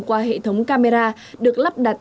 qua hệ thống camera được lắp đặt